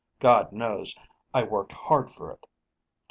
God knows, I worked hard for it.